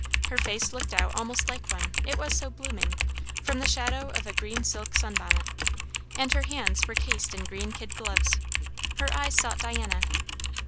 Her face looked out almost like one, it was so blooming, from the shadow of a green silk sun bonnet; and her hands were cased in green kid gloves. Her eyes sought Diana.